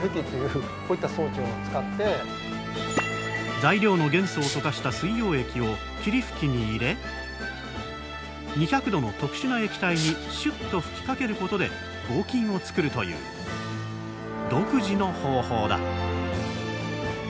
材料の元素を溶かした水溶液を霧吹きに入れ２００℃の特殊な液体にシュッと吹きかけることで合金を作るという独自の方法だ。